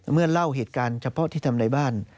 เล่าเหตุการณ์เฉพาะที่ทำในบ้าน